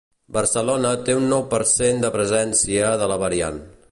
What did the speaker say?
Barcelona té un nou per cent de presència de la variant.